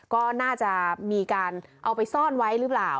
ก็น่าจะมีการเอาไปซ่อนไว้หรือเปล่า